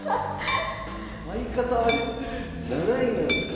相方は７位なんすか？